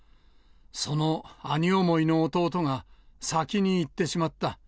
その兄想いの弟が先に逝ってしまった。